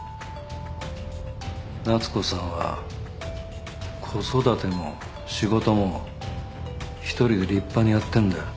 夏子さんは子育ても仕事も１人で立派にやってるんだよ。